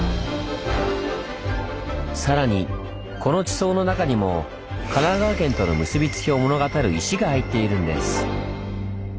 さらにこの地層の中にも神奈川県との結びつきを物語る石が入っているんです。